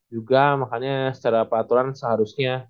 juga makanya secara peraturan seharusnya